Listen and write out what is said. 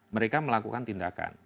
mereka melakukan tindakan